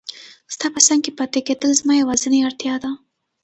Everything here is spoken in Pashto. ستا په څنګ کې پاتې کېدل زما یوازینۍ اړتیا ده.